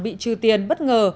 bị trừ tiền bất ngờ